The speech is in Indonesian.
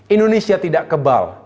indonesia tidak kebal